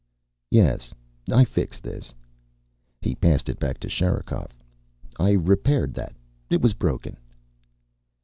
"Yes. I fixed this." He passed it back to Sherikov. "I repaired that. It was broken."